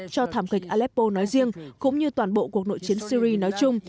cho thảm kịch aleppo nói riêng cũng như toàn bộ cuộc nội chiến syri nói chung